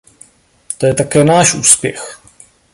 To je také náš úspěch.